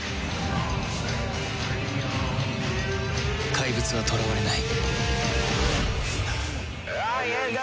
怪物は囚われない